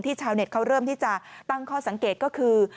ชาวเน็ตเขาเริ่มที่จะตั้งข้อสังเกตก็คือ